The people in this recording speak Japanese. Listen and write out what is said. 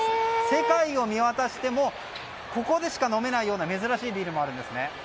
世界を見渡してもここでしか飲めないような珍しいビールもあるんです。